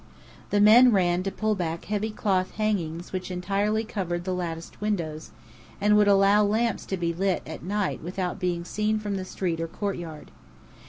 The men ran to pull back heavy cloth hangings which entirely covered the latticed windows, and would allow lamps to be lit at night without being seen from street or courtyard.